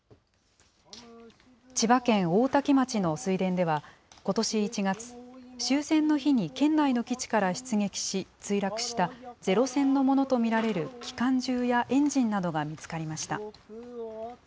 千葉県大多喜町の水田では、ことし１月、終戦の日に県内の基地から出撃し、墜落したゼロ戦のものと見られる機関銃やエンジンなどが見つかりました。